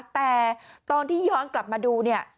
แต่ตอนที่ย้อนกลับมาดูเนี่ย